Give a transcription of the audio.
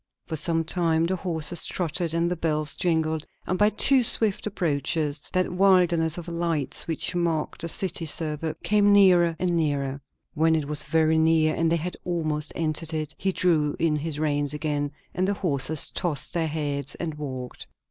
For some time the horses trotted and the bells jingled; and by too swift approaches that wilderness of lights which marked the city suburb came nearer and nearer. When it was very near and they had almost entered it, he drew in his reins again and the horses tossed their heads and walked.